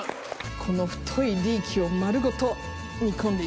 この太いリーキを丸ごと煮込んで行きます。